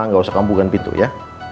nggak usah kamu buka pintu ya